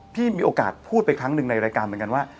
มีโอกาสพูดไปครั้งหนึ่งในรายการเหมือนกันว่า